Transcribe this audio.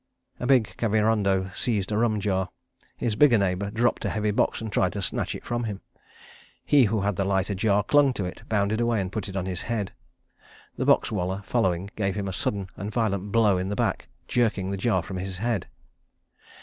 ... A big Kavirondo seized a rum jar. His bigger neighbour dropped a heavy box and tried to snatch it from him. He who had the lighter jar clung to it, bounded away, and put it on his head. The box wallah, following, gave him a sudden violent blow in the back, jerking the jar from his head.